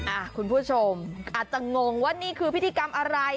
คุณผู้ชมอาจจะงงว่านี่คือพิธีกรรมอะไร